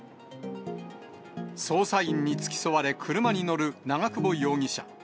捜査員に付き添われ車に乗る長久保容疑者。